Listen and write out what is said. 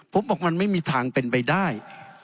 ผมบอกมันไม่มีทางเป็นไปได้